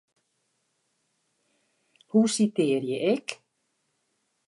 Hoe sitearje ik?